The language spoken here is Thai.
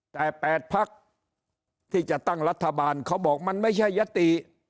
แต่๘พักที่จะตั้งรัฐบาลเขาบอกมันไม่ใช่ยติ